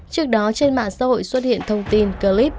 trước đó trên mạng xã hội xuất hiện thông tin clip